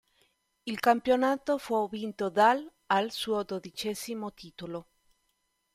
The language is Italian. Il campionato fu vinto dall', al suo dodicesimo titolo.